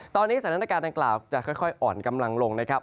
ตอนนี้สถานการณ์ดังกล่าวจะค่อยอ่อนกำลังลงนะครับ